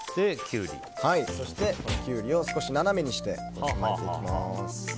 そして、キュウリを少し斜めにして巻いていきます。